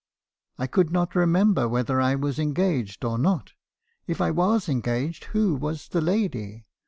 I could not remember whether I was engaged or not. If I was engaged, who was the lady?